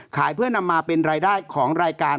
เพื่อนำมาเป็นรายได้ของรายการ